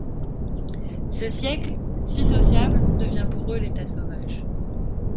Ce siècle, si sociable, devient pour eux l'état sauvage.